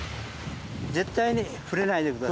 絶対に触れないでください。